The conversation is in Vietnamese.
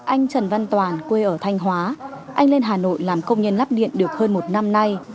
anh trần văn toàn quê ở thanh hóa anh lên hà nội làm công nhân lắp điện được hơn một năm nay